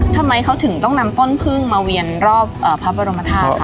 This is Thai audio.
ทำไมเขาถึงต้องนำต้นพึ่งมาเวียนรอบพระบรมธาตุ